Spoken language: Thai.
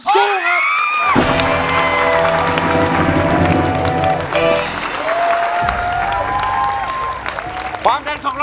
หยุด